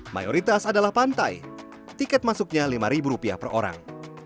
mayoritas adalah pantai tiket masuknya lima ribu rupiah per orang